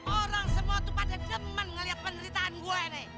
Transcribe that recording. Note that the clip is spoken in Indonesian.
orang semua tuh pada jement ngeliat penderitaan gue nih